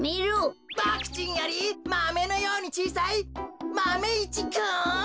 ボクちんよりマメのようにちいさいマメ１くん！